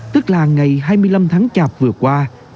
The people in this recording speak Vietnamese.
tức là ngày hai mươi năm tháng chạp vừa qua